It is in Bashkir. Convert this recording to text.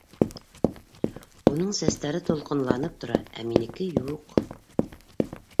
—Уның сәстәре тулҡынланып тора, ә минеке —юҡ!